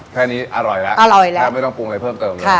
แค่นี้อร่อยแล้วอร่อยแล้วแล้วไม่ต้องปรุงอะไรเพิ่มเติมเลย